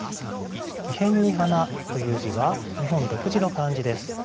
木偏に花という字は日本独自の漢字です。